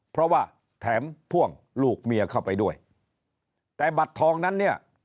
เพราะว่าแถมพ่วงลูกเมียเข้าไปด้วยแต่บัตรทองนั้นเนี่ย